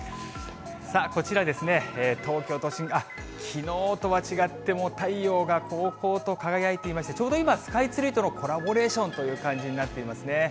さあ、こちらですね、東京都心、きのうとは違って太陽がこうこうと輝いていまして、ちょうど今、スカイツリーとのコラボレーションという感じになっていますね。